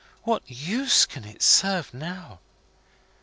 What use can it serve now